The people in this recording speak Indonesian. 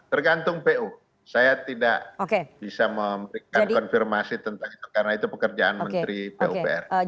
tergantung pu saya tidak bisa memberikan konfirmasi tentang itu karena itu pekerjaan menteri pupr